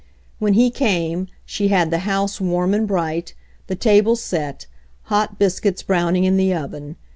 When he came, she had the house warm and bright, the table set, hot biscuits browning in the oven.